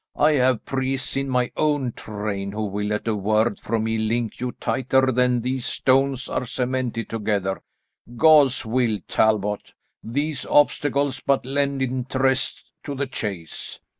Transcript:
I have priests in my own train who will, at a word from me, link you tighter than these stones are cemented together. God's will, Talbot, these obstacles but lend interest to the chase."